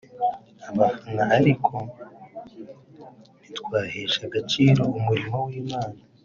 abafana ariko ntitwahesha agaciro umurimo w’Imana